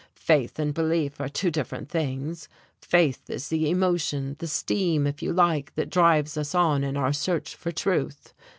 Faith and belief are two different things; faith is the emotion, the steam, if you like, that drives us on in our search for truth.